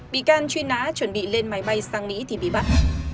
bị can truy nã chuẩn bị lên máy bay sang mỹ thì bị bắt